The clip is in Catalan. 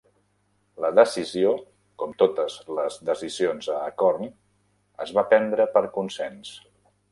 La decisió, com totes les decisions a Acorn, es va prendre per consens.